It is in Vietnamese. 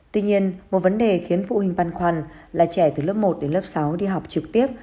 tuy nhiên một vấn đề khiến phụ huynh băn khoăn là trẻ từ lớp một đến lớp sáu đi học trực tiếp